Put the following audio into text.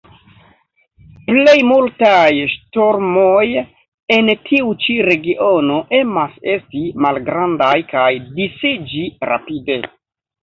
Plejmultaj ŝtormoj en tiu ĉi regiono emas esti malgrandaj kaj disiĝi rapide.